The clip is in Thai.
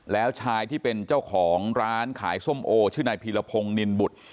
แล้วชายที่เป็นเจ้าของร้านขายส้มโอชื่อนายพีรพงศ์นินบุตร